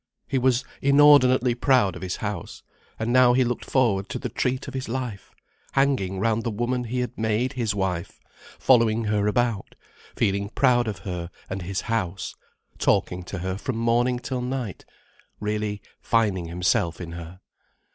He was inordinately proud of his house. And now he looked forward to the treat of his life: hanging round the woman he had made his wife, following her about, feeling proud of her and his house, talking to her from morning till night, really finding himself in her.